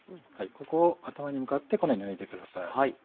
ここを頭に向かってこのように抜いてください。